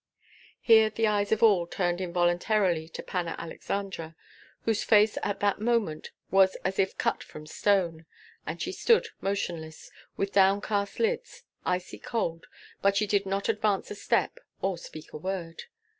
Here the eyes of all turned involuntarily to Panna Aleksandra, whose face at that moment was as if cut from stone; and she stood motionless, with downcast lids, icy cold, but she did not advance a step or speak a word.